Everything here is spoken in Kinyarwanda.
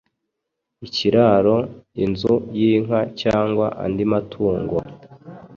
Ikiraro Inzu y’inka cyangwa andi matungo